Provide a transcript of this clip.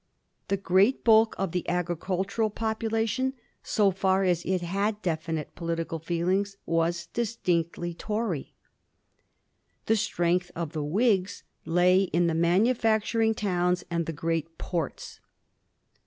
The great bulk of the agri cultural population, so &r as it had definite political feelings, was distinctly Tory. The strength of the Whigs lay in the manufacturing towns and the great ports.